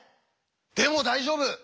でも大丈夫！